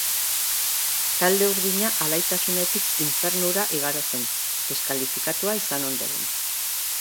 Talde urdina alaitasunetik infernura igaro zen, deskalifikatua izan ondoren.